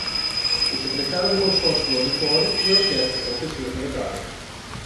O Secretário do Consórcio do Auditório e a orquestra ou pessoa delegada.